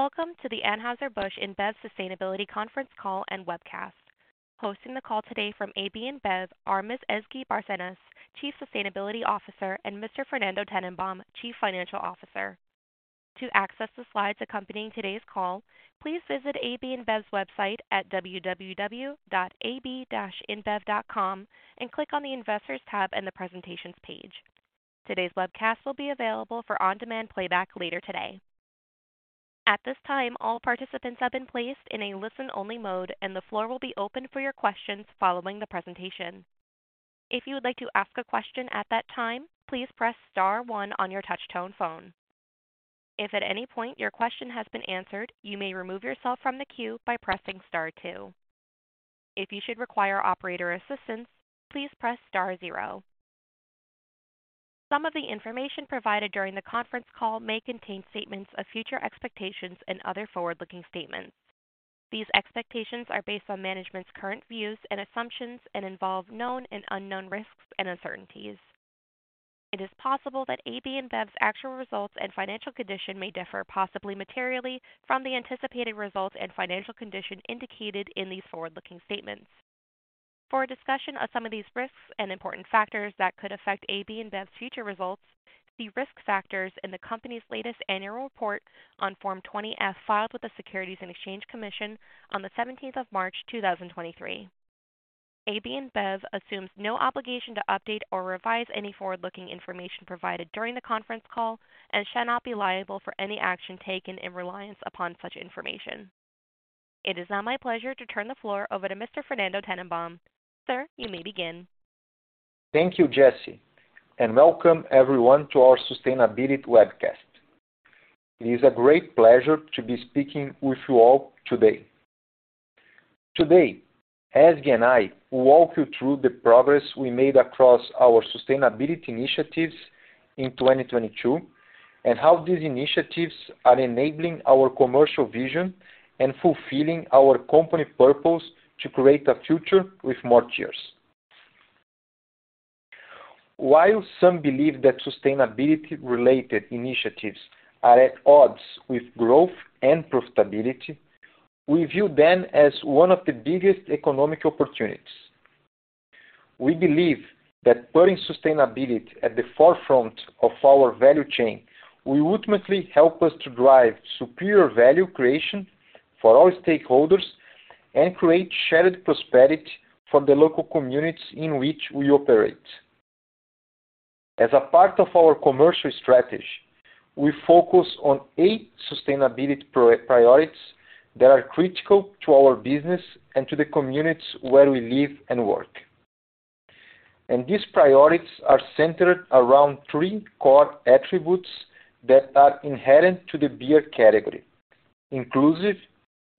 Welcome to the Anheuser-Busch InBev Sustainability Conference Call and Webcast. Hosting the call today from AB InBev are Ms. Ezgi Barcenas, Chief Sustainability Officer, and Mr. Fernando Tennenbaum, Chief Financial Officer. To access the slides accompanying today's call, please visit AB InBev's website at www.ab-inbev.com and click on the Investors tab and the Presentations page. Today's webcast will be available for on-demand playback later today. At this time, all participants have been placed in a listen-only mode, and the floor will be open for your questions following the presentation. If you would like to ask a question at that time, please press star one on your touch-tone phone. If at any point your question has been answered, you may remove yourself from the queue by pressing star two. If you should require operator assistance, please press star zero. Some of the information provided during the conference call may contain statements of future expectations and other forward-looking statements. These expectations are based on management's current views and assumptions and involve known and unknown risks and uncertainties. It is possible that AB InBev's actual results and financial condition may differ possibly materially from the anticipated results and financial condition indicated in these forward-looking statements. For a discussion of some of these risks and important factors that could affect AB InBev's future results, see risk factors in the company's latest annual report on Form 20-F, filed with the Securities and Exchange Commission on the 17th of March 2023. AB InBev assumes no obligation to update or revise any forward-looking information provided during the conference call and shall not be liable for any action taken in reliance upon such information. It is now my pleasure to turn the floor over to Mr. Fernando Tennenbaum. Sir, you may begin. Thank you, Jessy. Welcome everyone to our sustainability webcast. It is a great pleasure to be speaking with you all today. Today, Ezgi and I will walk you through the progress we made across our sustainability initiatives in 2022 and how these initiatives are enabling our commercial vision and fulfilling our company purpose to create a future with more cheers. While some believe that sustainability-related initiatives are at odds with growth and profitability, we view them as one of the biggest economic opportunities. We believe that putting sustainability at the forefront of our value chain will ultimately help us to drive superior value creation for all stakeholders and create shared prosperity for the local communities in which we operate. As a part of our commercial strategy, we focus on 8 sustainability priorities that are critical to our business and to the communities where we live and work. These priorities are centered around 3 core attributes that are inherent to the beer category: inclusive,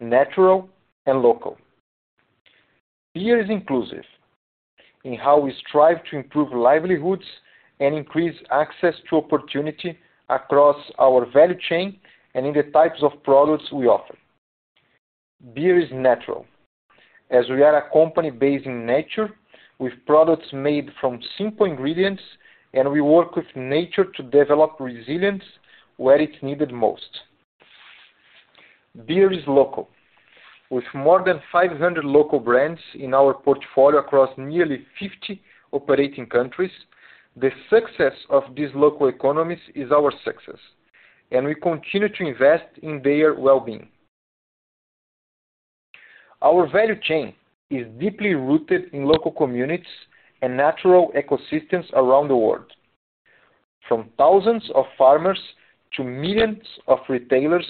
natural, and local. Beer is inclusive in how we strive to improve livelihoods and increase access to opportunity across our value chain and in the types of products we offer. Beer is natural as we are a company based in nature with products made from simple ingredients, and we work with nature to develop resilience where it's needed most. Beer is local. With more than 500 local brands in our portfolio across nearly 50 operating countries, the success of these local economies is our success, and we continue to invest in their well-being. Our value chain is deeply rooted in local communities and natural ecosystems around the world. From thousands of farmers to millions of retailers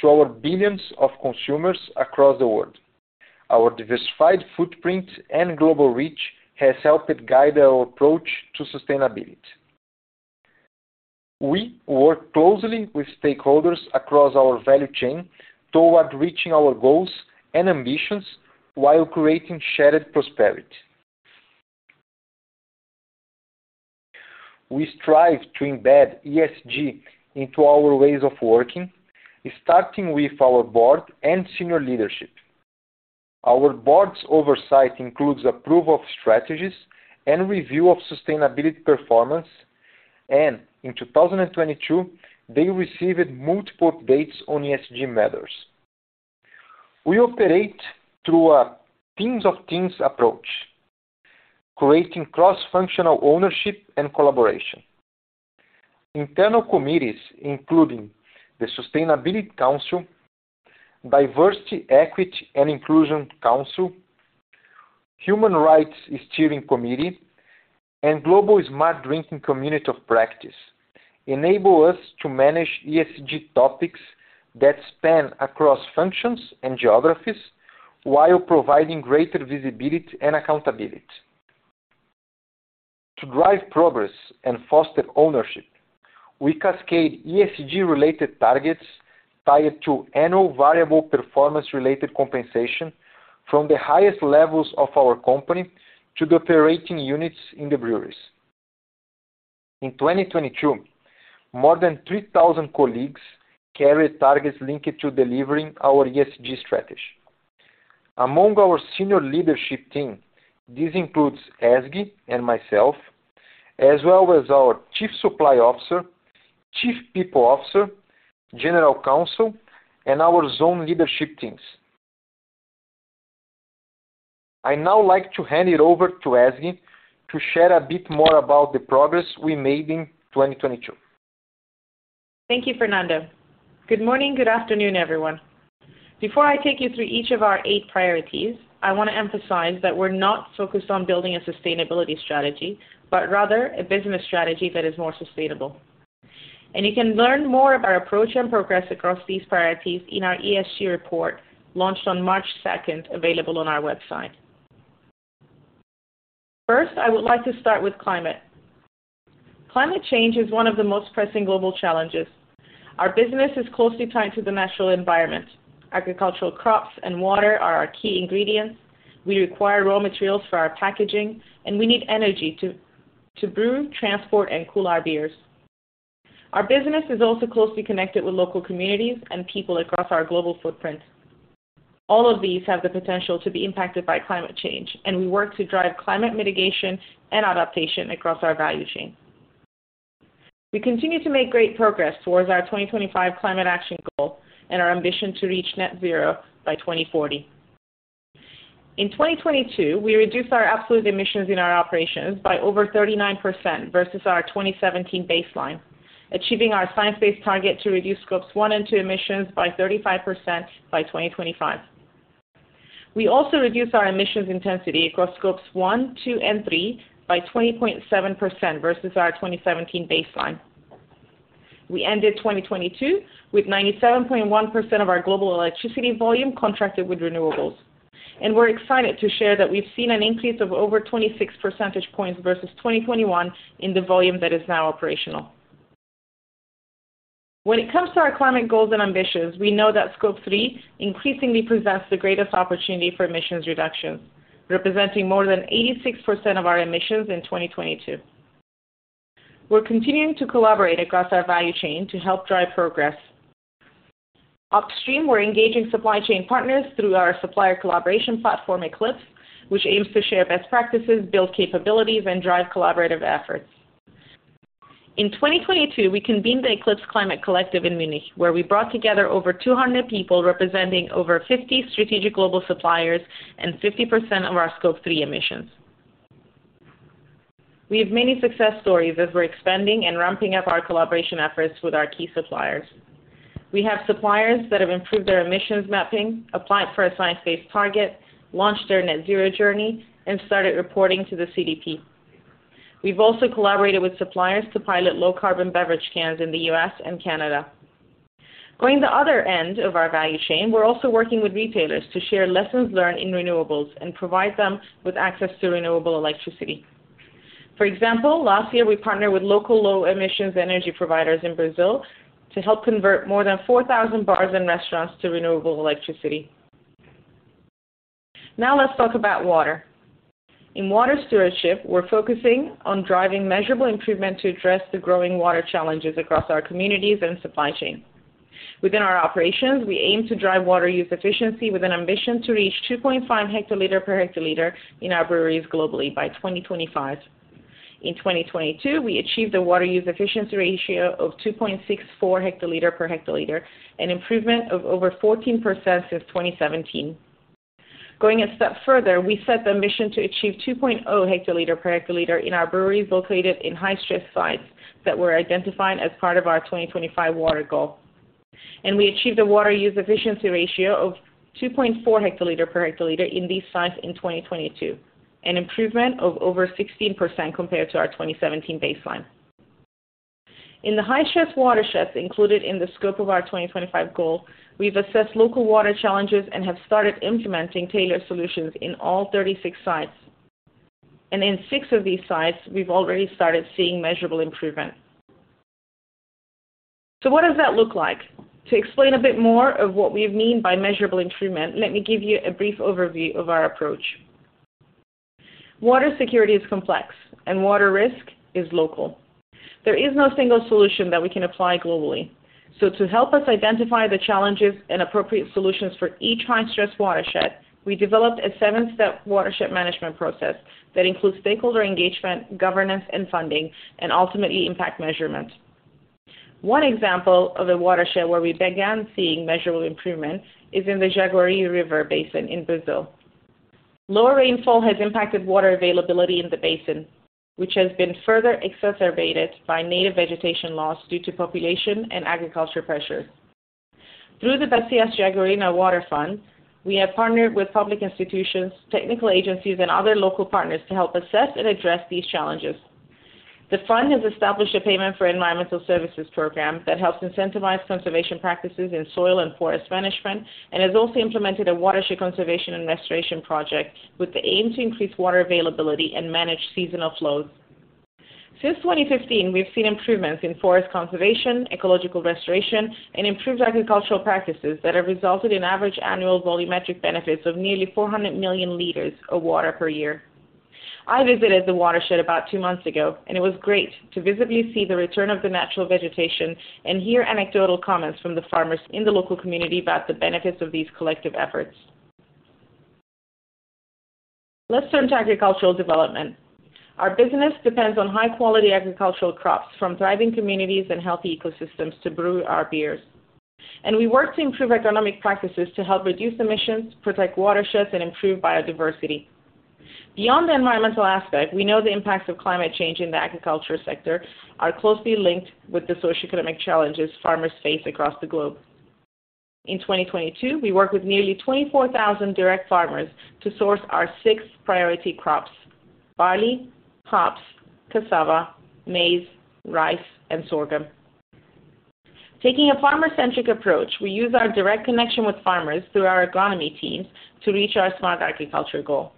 to our billions of consumers across the world, our diversified footprint and global reach has helped guide our approach to sustainability. We work closely with stakeholders across our value chain toward reaching our goals and ambitions while creating shared prosperity. We strive to embed ESG into our ways of working, starting with our board and senior leadership. Our board's oversight includes approval of strategies and review of sustainability performance, and in 2022, they received multiple updates on ESG matters. We operate through a teams of teams approach, creating cross-functional ownership and collaboration. Internal committees, including the Sustainability Council, Diversity, Equity & Inclusion Council, Human Rights Steering Committee, and Global Smart Drinking Community of Practice, enable us to manage ESG topics that span across functions and geographies while providing greater visibility and accountability. To drive progress and foster ownership, we cascade ESG related targets tied to annual variable performance-related compensation from the highest levels of our company to the operating units in the breweries. In 2022, more than 3,000 colleagues carried targets linked to delivering our ESG strategy. Among our senior leadership team, this includes Ezgi and myself, as well as our chief supply officer, chief people officer, general counsel, and our zone leadership teams. I'd now like to hand it over to Ezgi to share a bit more about the progress we made in 2022. Thank you, Fernando. Good morning, good afternoon, everyone. Before I take you through each of our 8 priorities, I wanna emphasize that we're not focused on building a sustainability strategy, but rather a business strategy that is more sustainable. You can learn more of our approach and progress across these priorities in our ESG report launched on March second, available on our website. First, I would like to start with climate. Climate change is one of the most pressing global challenges. Our business is closely tied to the natural environment. Agricultural crops and water are our key ingredients. We require raw materials for our packaging, and we need energy to brew, transport, and cool our beers. Our business is also closely connected with local communities and people across our global footprint. All of these have the potential to be impacted by climate change, and we work to drive climate mitigation and adaptation across our value chain. We continue to make great progress towards our 2025 climate action goal and our ambition to reach net zero by 2040. In 2022, we reduced our absolute emissions in our operations by over 39% versus our 2017 baseline, achieving our science-based target to reduce Scope 1 and Scope 2 emissions by 35% by 2025. We also reduced our emissions intensity across Scope 1, Scope 2, and Scope 3 by 20.7% versus our 2017 baseline. We ended 2022 with 97.1% of our global electricity volume contracted with renewables. We're excited to share that we've seen an increase of over 26 percentage points versus 2021 in the volume that is now operational. When it comes to our climate goals and ambitions, we know that Scope 3 increasingly presents the greatest opportunity for emissions reductions, representing more than 86% of our emissions in 2022. We're continuing to collaborate across our value chain to help drive progress. Upstream, we're engaging supply chain partners through our supplier collaboration platform, Eclipse, which aims to share best practices, build capabilities, and drive collaborative efforts. In 2022, we convened the Eclipse Climate Collective in Munich, where we brought together over 200 people representing over 50 strategic global suppliers and 50% of our Scope 3 emissions. We have many success stories as we're expanding and ramping up our collaboration efforts with our key suppliers. We have suppliers that have improved their emissions mapping, applied for a science-based target, launched their net zero journey, and started reporting to the CDP. We've also collaborated with suppliers to pilot low carbon beverage cans in the U.S. and Canada. Going the other end of our value chain, we're also working with retailers to share lessons learned in renewables and provide them with access to renewable electricity. For example, last year, we partnered with local low emissions energy providers in Brazil to help convert more than 4,000 bars and restaurants to renewable electricity. Let's talk about water. In water stewardship, we're focusing on driving measurable improvement to address the growing water challenges across our communities and supply chain. Within our operations, we aim to drive water use efficiency with an ambition to reach 2.5 hectoliter per hectoliter in our breweries globally by 2025. In 2022, we achieved a water use efficiency ratio of 2.64 hectoliter per hectoliter, an improvement of over 14% since 2017. Going a step further, we set the mission to achieve 2.0 hectoliter per hectoliter in our breweries located in high-stress sites that were identified as part of our 2025 water goal. We achieved a water use efficiency ratio of 2.4 hectoliter per hectoliter in these sites in 2022, an improvement of over 16% compared to our 2017 baseline. In the high-stress watersheds included in the scope of our 2025 goal, we've assessed local water challenges and have started implementing tailored solutions in all 36 sites. In six of these sites, we've already started seeing measurable improvement. What does that look like? To explain a bit more of what we mean by measurable improvement, let me give you a brief overview of our approach. Water security is complex, and water risk is local. There is no single solution that we can apply globally. To help us identify the challenges and appropriate solutions for each high-stress watershed, we developed a seven-step watershed management process that includes stakeholder engagement, governance, and funding, and ultimately impact measurement. One example of a watershed where we began seeing measurable improvements is in the Jaguaribe River Basin in Brazil. Lower rainfall has impacted water availability in the basin, which has been further exacerbated by native vegetation loss due to population and agriculture pressure. Through the Ambev Jaguaribe Water Fund, we have partnered with public institutions, technical agencies, and other local partners to help assess and address these challenges. The fund has established a payment for environmental services program that helps incentivize conservation practices in soil and forest management and has also implemented a watershed conservation and restoration project with the aim to increase water availability and manage seasonal flows. Since 2015, we've seen improvements in forest conservation, ecological restoration, and improved agricultural practices that have resulted in average annual volumetric benefits of nearly 400 million liters of water per year. I visited the watershed about two months ago, and it was great to visibly see the return of the natural vegetation and hear anecdotal comments from the farmers in the local community about the benefits of these collective efforts. Let's turn to agricultural development. Our business depends on high-quality agricultural crops from thriving communities and healthy ecosystems to brew our beers. We work to improve economic practices to help reduce emissions, protect watersheds, and improve biodiversity. Beyond the environmental aspect, we know the impacts of climate change in the agriculture sector are closely linked with the socioeconomic challenges farmers face across the globe. In 2022, we worked with nearly 24,000 direct farmers to source our 6 priority crops: barley, hops, cassava, maize, rice, and sorghum. Taking a farmer-centric approach, we use our direct connection with farmers through our agronomy teams to reach our smart agriculture goal.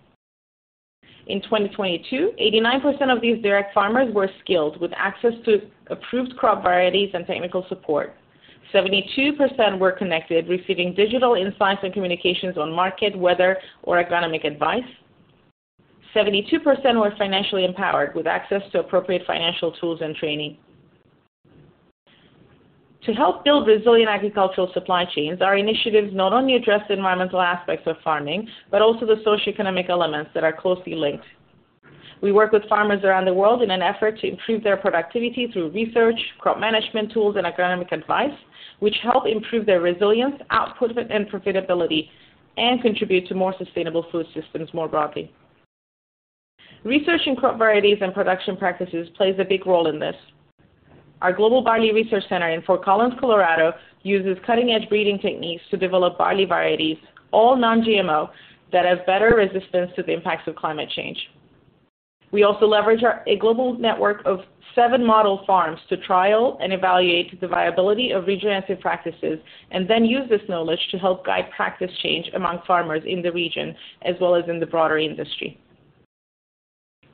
In 2022, 89% of these direct farmers were skilled with access to approved crop varieties and technical support. 72% were connected, receiving digital insights and communications on market, weather, or agronomic advice. 72% were financially empowered with access to appropriate financial tools and training. To help build resilient agricultural supply chains, our initiatives not only address the environmental aspects of farming, but also the socioeconomic elements that are closely linked. We work with farmers around the world in an effort to improve their productivity through research, crop management tools, and agronomic advice, which help improve their resilience, output, and profitability, and contribute to more sustainable food systems more broadly. Research in crop varieties and production practices plays a big role in this. Our Global Barley Research Center in Fort Collins, Colorado, uses cutting-edge breeding techniques to develop barley varieties, all non-GMO, that have better resistance to the impacts of climate change. We also leverage a global network of seven model farms to trial and evaluate the viability of regenerative practices and then use this knowledge to help guide practice change among farmers in the region as well as in the broader industry.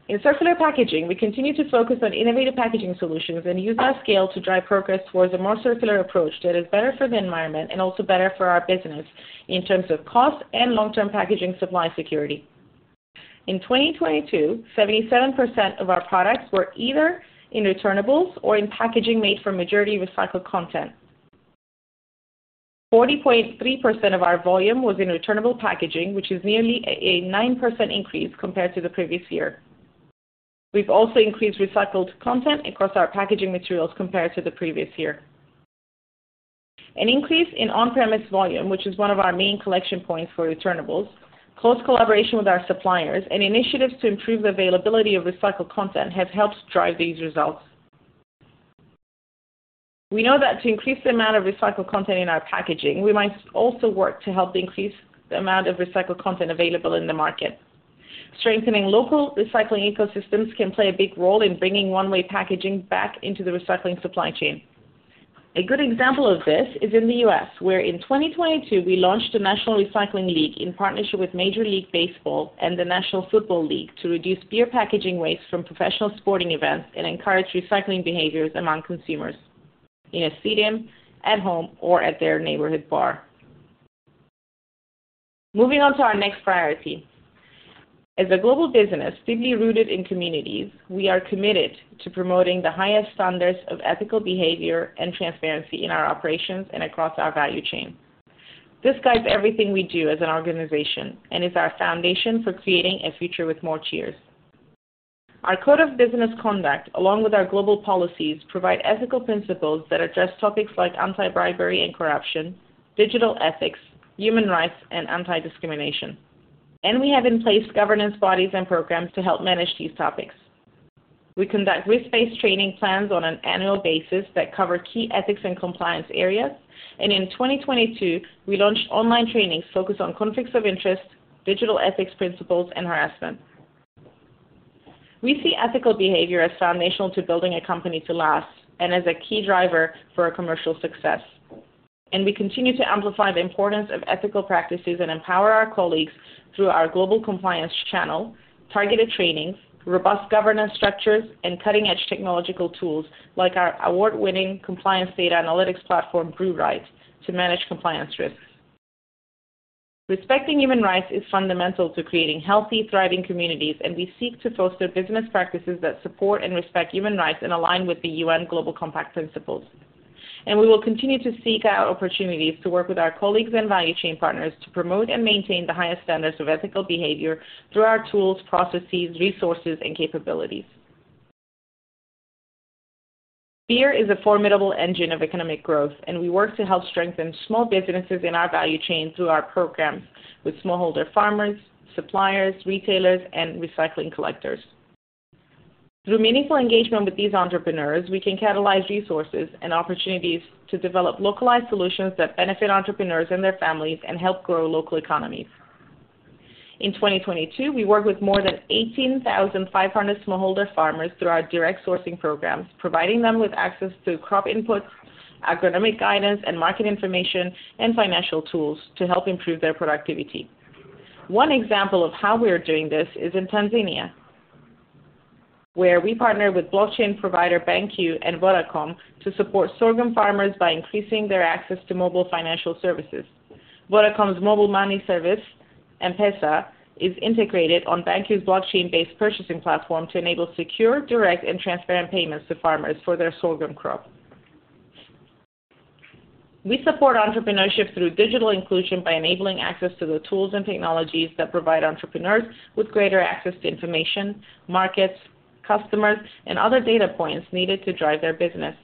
In circular packaging, we continue to focus on innovative packaging solutions and use our scale to drive progress towards a more circular approach that is better for the environment and also better for our business in terms of cost and long-term packaging supply security. In 2022, 77% of our products were either in returnables or in packaging made from majority recycled content. 40.3% of our volume was in returnable packaging, which is nearly a 9% increase compared to the previous year. We've also increased recycled content across our packaging materials compared to the previous year. An increase in on-premise volume, which is one of our main collection points for returnables, close collaboration with our suppliers, and initiatives to improve the availability of recycled content have helped drive these results. We know that to increase the amount of recycled content in our packaging, we must also work to help increase the amount of recycled content available in the market. Strengthening local recycling ecosystems can play a big role in bringing one-way packaging back into the recycling supply chain. A good example of this is in the U.S., where in 2022, we launched a National Recycling League in partnership with Major League Baseball and the National Football League to reduce beer packaging waste from professional sporting events and encourage recycling behaviors among consumers in a stadium, at home, or at their neighborhood bar. Moving on to our next priority. As a global business deeply rooted in communities, we are committed to promoting the highest standards of ethical behavior and transparency in our operations and across our value chain. This guides everything we do as an organization and is our foundation for creating a future with more cheers. Our code of business conduct, along with our global policies, provide ethical principles that address topics like anti-bribery and corruption, digital ethics, human rights, and anti-discrimination. We have in place governance bodies and programs to help manage these topics. We conduct risk-based training plans on an annual basis that cover key ethics and compliance areas. In 2022, we launched online trainings focused on conflicts of interest, digital ethics principles, and harassment. We see ethical behavior as foundational to building a company to last and as a key driver for our commercial success. We continue to amplify the importance of ethical practices and empower our colleagues through our global compliance channel, targeted trainings, robust governance structures, and cutting-edge technological tools like our award-winning compliance data analytics platform, BrewRIGHT, to manage compliance risks. Respecting human rights is fundamental to creating healthy, thriving communities, and we seek to foster business practices that support and respect human rights and align with the UN Global Compact principles. We will continue to seek out opportunities to work with our colleagues and value chain partners to promote and maintain the highest standards of ethical behavior through our tools, processes, resources, and capabilities. Beer is a formidable engine of economic growth, and we work to help strengthen small businesses in our value chain through our programs with smallholder farmers, suppliers, retailers, and recycling collectors. Through meaningful engagement with these entrepreneurs, we can catalyze resources and opportunities to develop localized solutions that benefit entrepreneurs and their families and help grow local economies. In 2022, we worked with more than 18,500 smallholder farmers through our direct sourcing programs, providing them with access to crop inputs, agronomic guidance and market information, and financial tools to help improve their productivity. One example of how we are doing this is in Tanzania. Where we partner with blockchain provider, BanQu and Vodacom to support sorghum farmers by increasing their access to mobile financial services. Vodacom's mobile money service, M-Pesa, is integrated on BanQu's blockchain-based purchasing platform to enable secure, direct and transparent payments to farmers for their sorghum crop. We support entrepreneurship through digital inclusion by enabling access to the tools and technologies that provide entrepreneurs with greater access to information, markets, customers, and other data points needed to drive their business.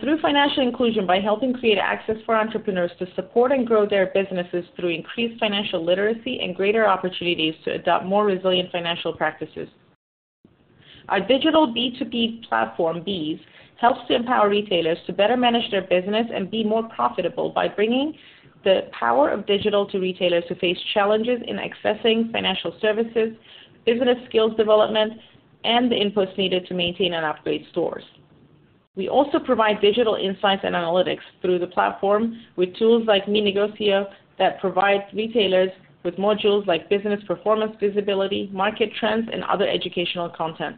Through financial inclusion by helping create access for entrepreneurs to support and grow their businesses through increased financial literacy and greater opportunities to adopt more resilient financial practices. Our digital B2B platform, BEES, helps to empower retailers to better manage their business and be more profitable by bringing the power of digital to retailers who face challenges in accessing financial services, business skills development, and the inputs needed to maintain and upgrade stores. We also provide digital insights and analytics through the platform with tools like Mi Negocio that provides retailers with modules like business performance visibility, market trends, and other educational content.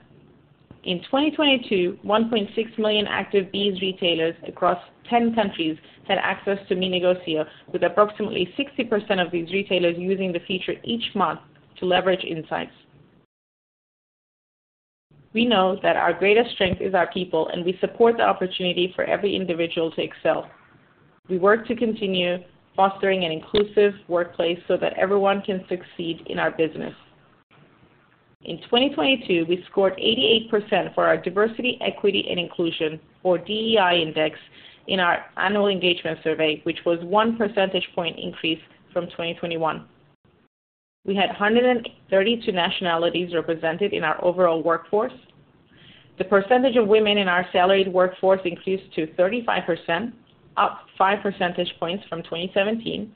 In 2022, 1.6 million active BEES retailers across 10 countries had access to Mi Negocio, with approximately 60% of these retailers using the feature each month to leverage insights. We know that our greatest strength is our people. We support the opportunity for every individual to excel. We work to continue fostering an inclusive workplace so that everyone can succeed in our business. In 2022, we scored 88% for our diversity, equity and inclusion, or DEI index in our annual engagement survey, which was one percentage point increase from 2021. We had 132 nationalities represented in our overall workforce. The percentage of women in our salaried workforce increased to 35%, up five percentage points from 2017.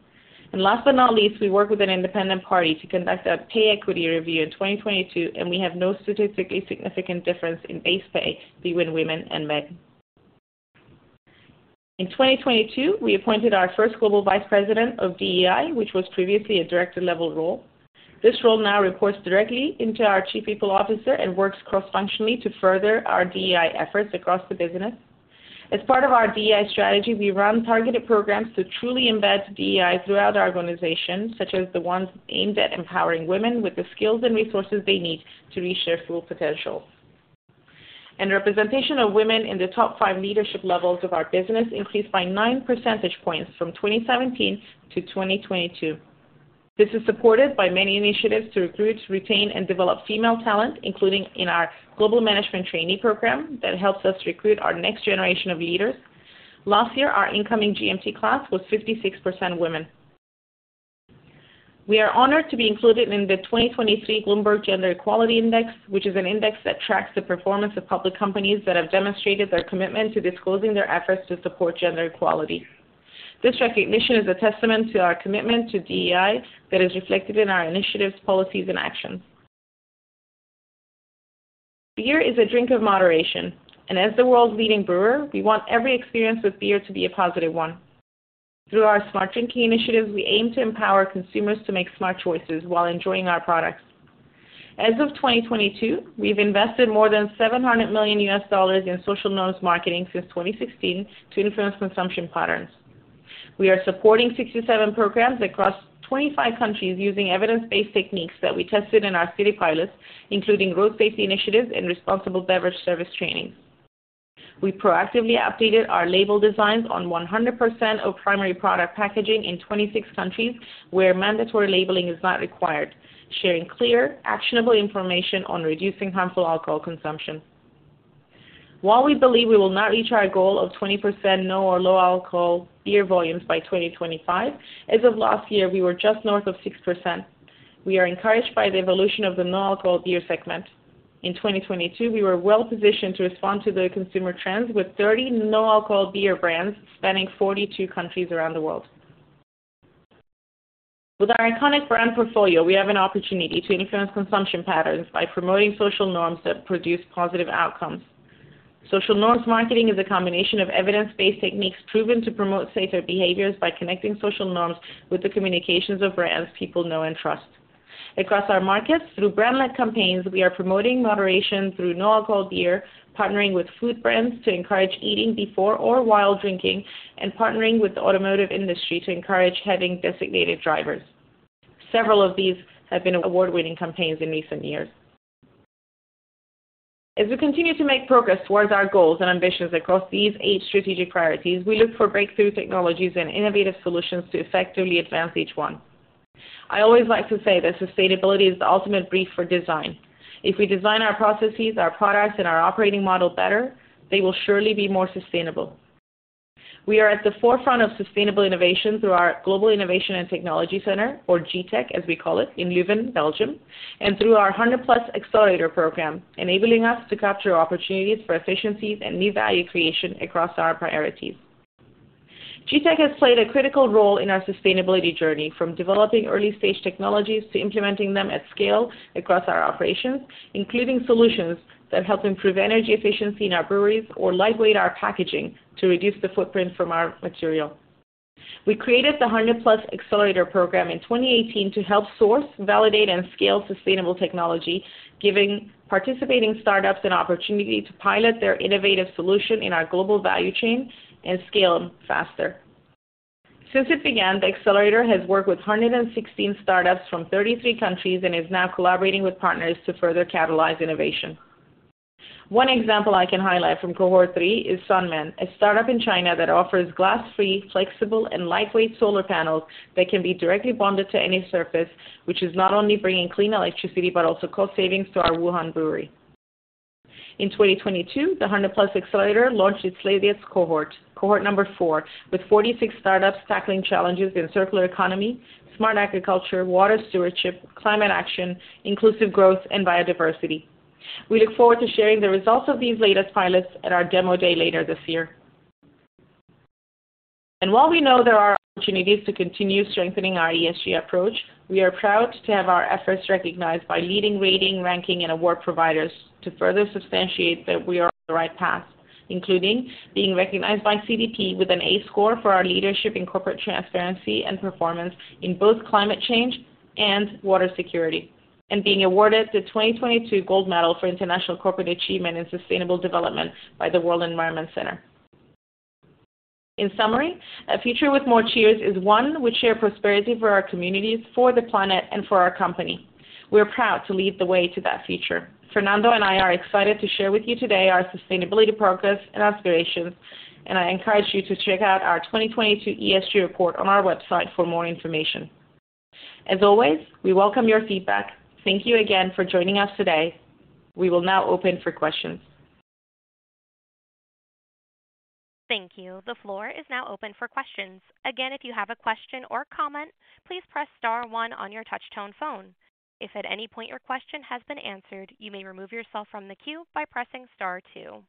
Last but not least, we worked with an independent party to conduct a pay equity review in 2022. We have no statistically significant difference in base pay between women and men. In 2022, we appointed our first global Vice President of DEI, which was previously a director-level role. This role now reports directly into our Chief People Officer and works cross-functionally to further our DEI efforts across the business. As part of our DEI strategy, we run targeted programs to truly embed DEI throughout our organization, such as the ones aimed at empowering women with the skills and resources they need to reach their full potential. Representation of women in the top 5 leadership levels of our business increased by 9 percentage points from 2017 to 2022. This is supported by many initiatives to recruit, retain, and develop female talent, including in our global management trainee program that helps us recruit our next generation of leaders. Last year, our incoming GMT class was 56% women. We are honored to be included in the 2023 Bloomberg Gender-Equality Index, which is an index that tracks the performance of public companies that have demonstrated their commitment to disclosing their efforts to support gender equality. This recognition is a testament to our commitment to DEI that is reflected in our initiatives, policies, and actions. Beer is a drink of moderation. As the world's leading brewer, we want every experience with beer to be a positive one. Through our smart drinking initiatives, we aim to empower consumers to make smart choices while enjoying our products. As of 2022, we've invested more than $700 million in social norms marketing since 2016 to influence consumption patterns. We are supporting 67 programs across 25 countries using evidence-based techniques that we tested in our city pilots, including road safety initiatives and responsible beverage service training. We proactively updated our label designs on 100% of primary product packaging in 26 countries where mandatory labeling is not required, sharing clear, actionable information on reducing harmful alcohol consumption. While we believe we will not reach our goal of 20% no or low alcohol beer volumes by 2025, as of last year, we were just north of 6%. We are encouraged by the evolution of the no alcohol beer segment. In 2022, we were well positioned to respond to the consumer trends with 30 no alcohol beer brands spanning 42 countries around the world. With our iconic brand portfolio, we have an opportunity to influence consumption patterns by promoting social norms that produce positive outcomes. Social norms marketing is a combination of evidence-based techniques proven to promote safer behaviors by connecting social norms with the communications of brands people know and trust. Across our markets, through brand-led campaigns, we are promoting moderation through no alcohol beer, partnering with food brands to encourage eating before or while drinking, and partnering with the automotive industry to encourage having designated drivers. Several of these have been award-winning campaigns in recent years. As we continue to make progress towards our goals and ambitions across these eight strategic priorities, we look for breakthrough technologies and innovative solutions to effectively advance each one. I always like to say that sustainability is the ultimate brief for design. If we design our processes, our products, and our operating model better, they will surely be more sustainable. We are at the forefront of sustainable innovation through our Global Innovation and Technology Center, or GITEC as we call it, in Leuven, Belgium, and through our 100+ Accelerator program, enabling us to capture opportunities for efficiencies and new value creation across our priorities. GITEC has played a critical role in our sustainability journey from developing early-stage technologies to implementing them at scale across our operations, including solutions that help improve energy efficiency in our breweries or lightweight our packaging to reduce the footprint from our material. We created the 100+ Accelerator program in 2018 to help source, validate and scale sustainable technology, giving participating startups an opportunity to pilot their innovative solution in our global value chain and scale faster. Since it began, the accelerator has worked with 116 startups from 33 countries and is now collaborating with partners to further catalyze innovation. One example I can highlight from cohort 3 is Sunman, a startup in China that offers glass-free, flexible and lightweight solar panels that can be directly bonded to any surface, which is not only bringing clean electricity but also cost savings to our Wuhan brewery. In 2022, the 100+ Accelerator launched its latest cohort number 4, with 46 startups tackling challenges in circular economy, smart agriculture, water stewardship, climate action, inclusive growth and biodiversity. We look forward to sharing the results of these latest pilots at our demo day later this year. While we know there are opportunities to continue strengthening our ESG approach, we are proud to have our efforts recognized by leading rating, ranking and award providers to further substantiate that we are on the right path, including being recognized by CDP with an A score for our leadership in corporate transparency and performance in both climate change and water security, and being awarded the 2022 Gold Medal for international corporate achievement and sustainable development by the World Environment Center. In summary, a future with more cheers is one we share prosperity for our communities, for the planet and for our company. We are proud to lead the way to that future. Fernando and I are excited to share with you today our sustainability progress and aspirations. I encourage you to check out our 2022 ESG report on our website for more information. As always, we welcome your feedback. Thank you again for joining us today. We will now open for questions. Thank you. The floor is now open for questions. Again, if you have a question or comment, please press star one on your touchtone phone. If at any point your question has been answered, you may remove yourself from the queue by pressing star two.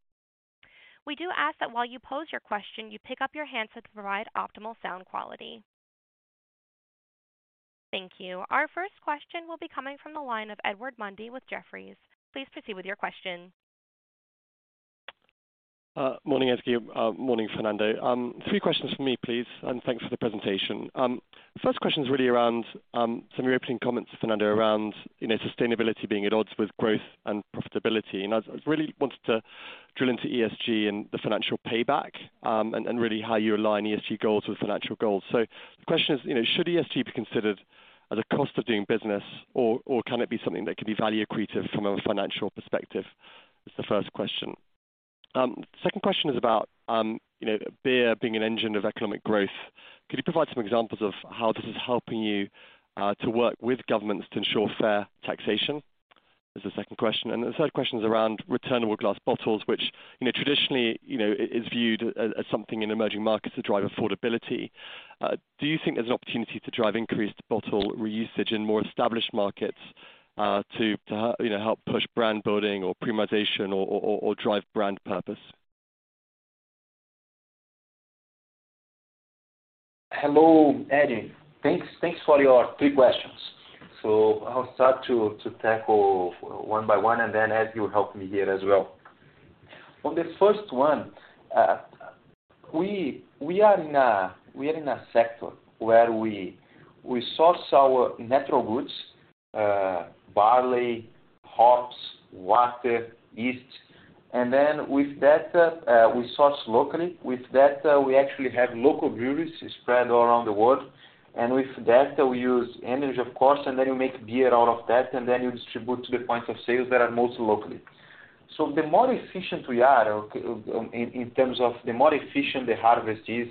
We do ask that while you pose your question, you pick up your handset to provide optimal sound quality. Thank you. Our first question will be coming from the line of Edward Mundy with Jefferies. Please proceed with your question. Morning, Ezgi. Morning, Fernando. 3 questions from me, please. Thanks for the presentation. 1st question is really around some of your opening comments, Fernando, around sustainability being at odds with growth and profitability. I really wanted to drill into ESG and the financial payback and really how you align ESG goals with financial goals. The question is should ESG be considered at a cost of doing business or can it be something that could be value accretive from a financial perspective? It's the 1st question. 2nd question is about beer being an engine of economic growth. Could you provide some examples of how this is helping you to work with governments to ensure fair taxation? That's the 2nd question. The third question is around returnable glass bottles, which traditionally is viewed as something in emerging markets to drive affordability. Do you think there's an opportunity to drive increased bottle reusage in more established markets, to help push brand building or premiumization or drive brand purpose? Hello, Eddie. Thanks for your three questions. I'll start to tackle one by one, Ezgi will help me here as well. On the first one, we are in a sector where we source our natural goods, barley, hops, water, yeast. With that, we source locally. With that, we actually have local breweries spread all around the world. With that, we use energy, of course, you make beer out of that, you distribute to the points of sales that are most locally. The more efficient we are, in terms of the more efficient the harvest is,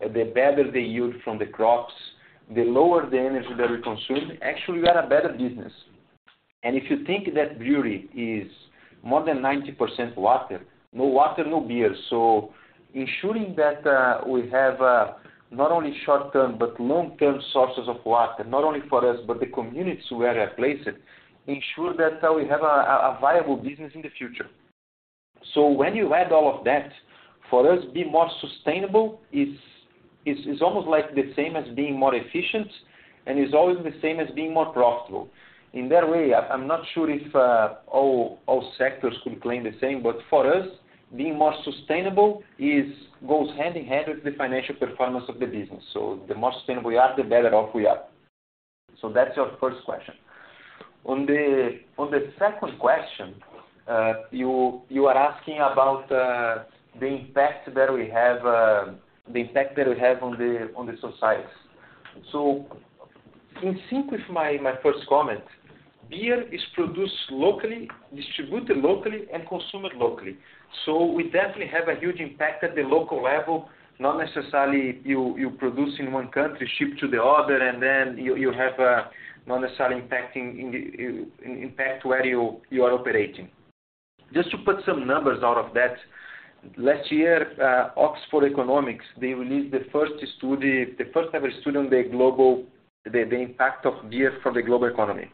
the better the yield from the crops, the lower the energy that we consume, actually, we are a better business. If you think that brewery is more than 90% water. No water, no beer. Ensuring that we have not only short-term but long-term sources of water, not only for us but the communities where we are placed, ensure that we have a viable business in the future. When you add all of that, for us, be more sustainable is almost like the same as being more efficient and is always the same as being more profitable. In that way, I'm not sure if all sectors could claim the same, but for us, being more sustainable goes hand in hand with the financial performance of the business. The more sustainable we are, the better off we are. That's your first question. On the second question, you are asking about the impact that we have, the impact that we have on the societies. In sync with my first comment, beer is produced locally, distributed locally and consumed locally. We definitely have a huge impact at the local level. Not necessarily you produce in one country, ship to the other, and then you have a not necessarily impacting impact where you are operating. Just to put some numbers out of that, last year, Oxford Economics, they released the first study, the first-ever study on the global... the impact of beer for the global economy.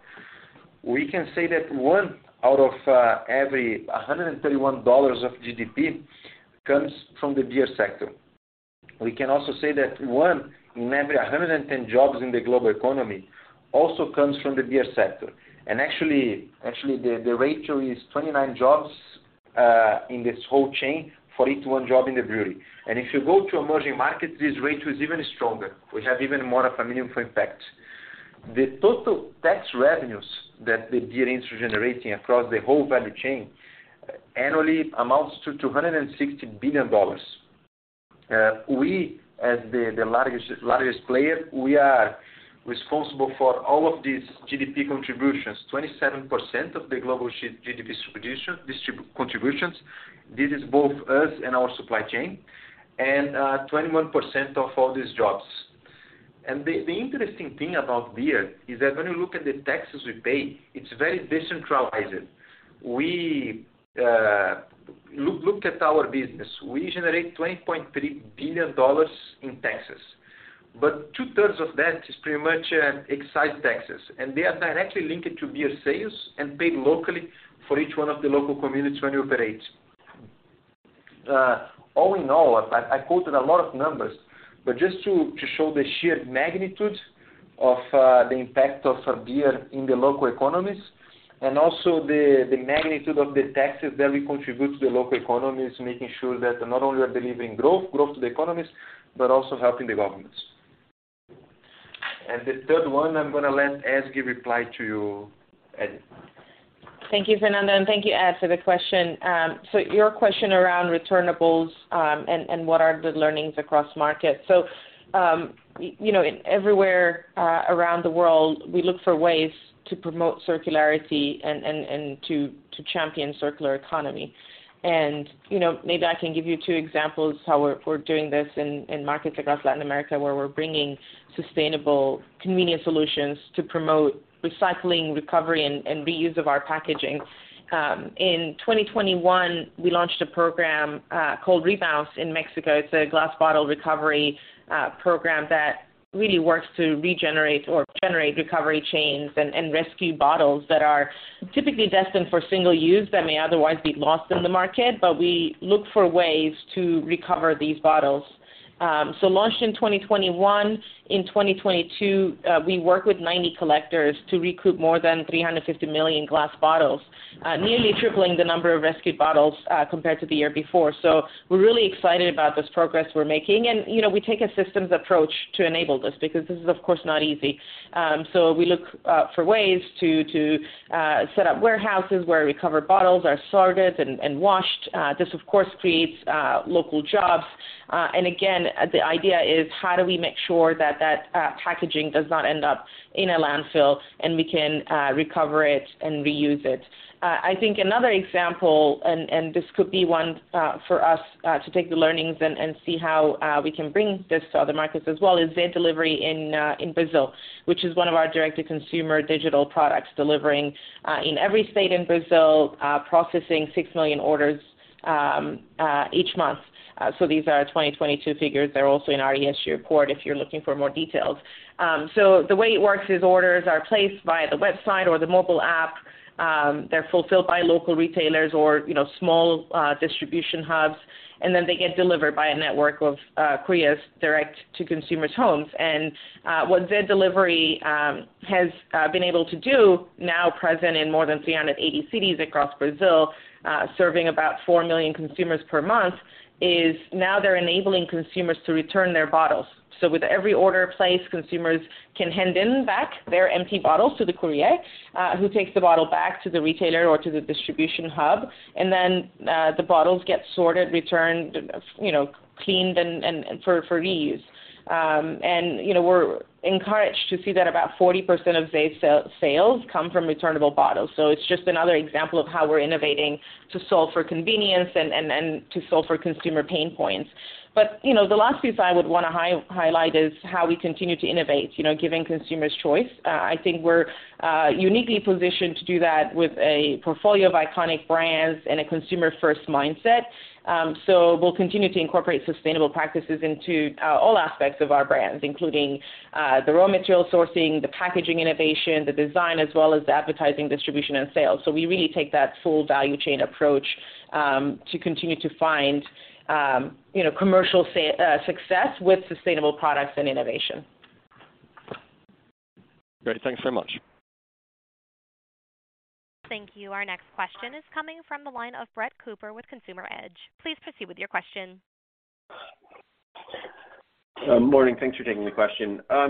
We can say that one out of every $131 of GDP comes from the beer sector. We can also say that 1 in every 110 jobs in the global economy also comes from the beer sector. actually, the ratio is 29 jobs in this whole chain for each 1 job in the brewery. If you go to emerging markets, this rate was even stronger. We have even more of a minimum impact. The total tax revenues that the beer industry generating across the whole value chain annually amounts to $260 billion. We as the largest player, we are responsible for all of these GDP contributions, 27% of the global GDP contributions. This is both us and our supply chain, and 21% of all these jobs. The interesting thing about beer is that when you look at the taxes we pay, it's very decentralized. We. Look at our business. We generate $20.3 billion in taxes. Two-thirds of that is pretty much excise taxes, and they are directly linked to beer sales and paid locally for each one of the local communities where we operate. All in all, I quoted a lot of numbers, but just to show the sheer magnitude of the impact of beer in the local economies and also the magnitude of the taxes that we contribute to the local economies, making sure that not only are delivering growth to the economies, but also helping the governments. The third one, I'm gonna let Ezgi reply to you, Ed. Thank you, Fernando, and thank you, Ed, for the question. Your question around returnables, and what are the learnings across markets. You know, everywhere around the world, we look for ways to promote circularity and to champion circular economy. You know, maybe I can give you 2 examples how we're doing this in markets across Latin America, where we're bringing sustainable, convenient solutions to promote recycling, recovery, and reuse of our packaging. In 2021, we launched a program called Rebounce in Mexico. It's a glass bottle recovery program that really works to regenerate or generate recovery chains and rescue bottles that are typically destined for single use that may otherwise be lost in the market, but we look for ways to recover these bottles. Launched in 2021. In 2022, we worked with 90 collectors to recruit more than 350 million glass bottles, nearly tripling the number of rescued bottles, compared to the year before. We're really excited about this progress we're making. You know, we take a systems approach to enable this because this is, of course, not easy. We look for ways to set up warehouses where recovered bottles are sorted and washed. This of course, creates local jobs. Again, the idea is how do we make sure that packaging does not end up in a landfill, and we can recover it and reuse it. I think another example, and this could be one for us to take the learnings and see how we can bring this to other markets as well, is Zé Delivery in Brazil, which is one of our direct-to-consumer digital products, delivering in every state in Brazil, processing 6 million orders each month. These are 2022 figures. They're also in our ESG report if you're looking for more details. The way it works is orders are placed via the website or the mobile app. They're fulfilled by local retailers or small distribution hubs, and then they get delivered by a network of couriers direct to consumers' homes. What Zé Delivery has been able to do, now present in more than 380 cities across Brazil, serving about 4 million consumers per month, is now they're enabling consumers to return their bottles. With every order placed, consumers can hand in back their empty bottles to the courier, who takes the bottle back to the retailer or to the distribution hub, and then the bottles get sorted, returned cleaned and for reuse. You know, we're encouraged to see that about 40% of Zé's sales come from returnable bottles. It's just another example of how we're innovating to solve for convenience and to solve for consumer pain points. You know, the last piece I would wanna highlight is how we continue to innovate giving consumers choice. I think we're uniquely positioned to do that with a portfolio of iconic brands and a consumer-first mindset. We'll continue to incorporate sustainable practices into all aspects of our brands, including the raw material sourcing, the packaging innovation, the design, as well as the advertising, distribution, and sales. We really take that full value chain approach to continue to find commercial success with sustainable products and innovation. Great. Thanks very much. Thank you. Our next question is coming from the line of Brett Cooper with Consumer Edge. Please proceed with your question. Morning. Thanks for taking the question. A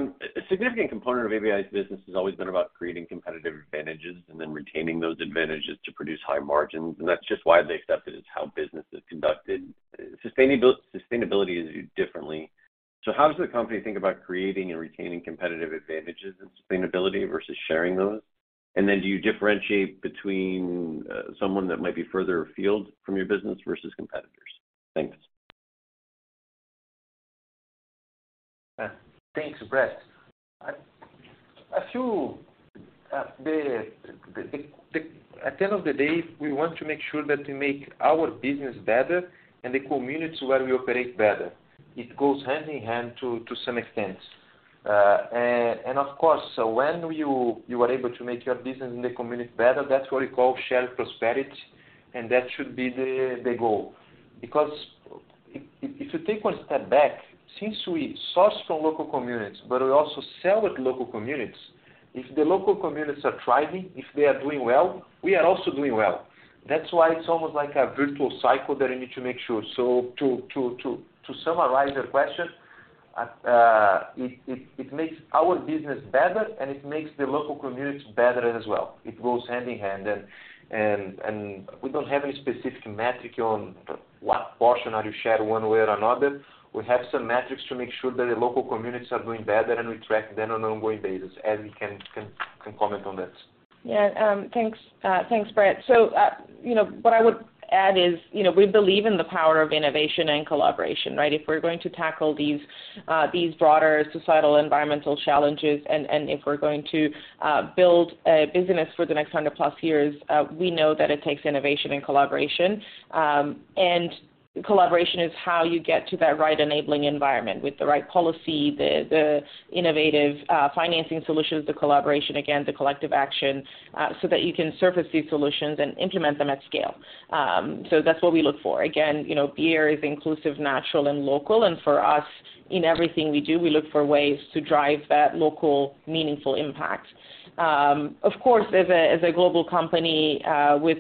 significant component of ABI's business has always been about creating competitive advantages and then retaining those advantages to produce high margins, and that's just widely accepted as how business is conducted. Sustainability is viewed differently. How does the company think about creating and retaining competitive advantages in sustainability versus sharing those? Do you differentiate between someone that might be further afield from your business versus competitors? Thanks. Thanks, Brett. I feel. At the end of the day, we want to make sure that we make our business better and the communities where we operate better. It goes hand in hand to some extent. Of course, when you are able to make your business and the community better, that's what we call shared prosperity, and that should be the goal. If you take one step back, since we source from local communities, but we also sell with local communities, if the local communities are thriving, if they are doing well, we are also doing well. That's why it's almost like a virtual cycle that you need to make sure. To summarize your question, it makes our business better and it makes the local communities better as well. It goes hand in hand. We don't have any specific metric on what portion are you shared one way or another. We have some metrics to make sure that the local communities are doing better, and we track them on an ongoing basis. Ezgi can comment on that. Yeah. Thanks, thanks, Brett. You know, what I would add is we believe in the power of innovation and collaboration, right? If we're going to tackle these broader societal environmental challenges and if we're going to build a business for the next 100+ years, we know that it takes innovation and collaboration. Collaboration is how you get to that right enabling environment with the right policy, the innovative financing solutions, the collaboration again, the collective action, so that you can surface these solutions and implement them at scale. That's what we look for. again beer is inclusive, natural, and local, and for us, in everything we do, we look for ways to drive that local meaningful impact. Of course, as a global company, with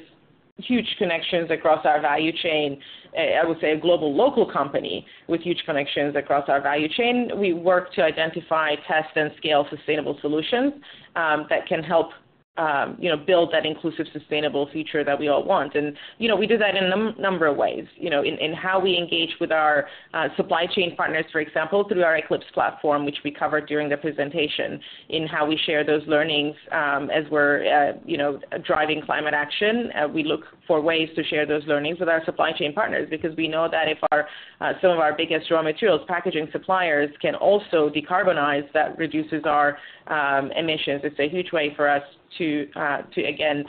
huge connections across our value chain, I would say a global local company with huge connections across our value chain, we work to identify, test, and scale sustainable solutions, that can help build that inclusive, sustainable future that we all want. You know, we do that in a number of ways, you know. In how we engage with our supply chain partners, for example, through our Eclipse platform, which we covered during the presentation, in how we share those learnings, as we're driving climate action. We look for ways to share those learnings with our supply chain partners because we know that if our, some of our biggest raw materials, packaging suppliers can also decarbonize, that reduces our emissions. It's a huge way for us to again,